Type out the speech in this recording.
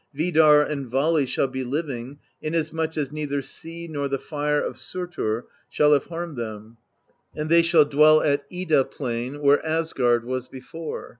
Vidarr and Vali shall be living, inasmuch as neither sea nor the fire of Surtr shall have harmed them; and they shall dwell at Ida Plain, where Asgard was before.